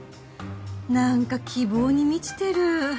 なんか希望に満ちてる。